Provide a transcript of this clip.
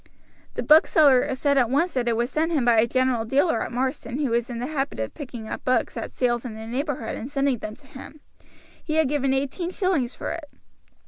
"The bookseller said at once that it was sent him by a general dealer at Marsden who was in the habit of picking up books at sales in the neighborhood and sending them to him; he had given eighteen shillings for it.